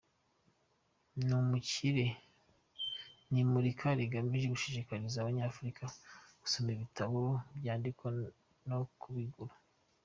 Ni imurika rigamije gushishikariza Abanyafurika gusoma ibitabo, kubyandika no kubigura.